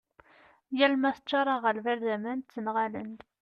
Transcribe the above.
yal ma teččar aγerbal d aman ttenγalen-d